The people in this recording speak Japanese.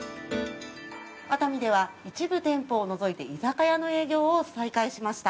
ワタミでは一部店舗を除いて居酒屋の営業を再開しました。